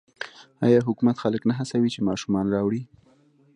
آیا حکومت خلک نه هڅوي چې ماشومان راوړي؟